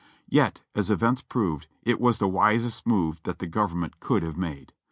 Yet, as events proved, it was the wisest move that the Govern ment could have made.